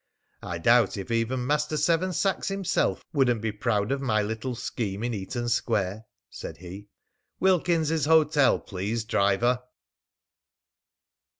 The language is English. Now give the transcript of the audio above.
"I doubt if even Master Seven Sachs himself wouldn't be proud of my little scheme in Eaton Square!" said he.... "Wilkins's Hotel, please, driver."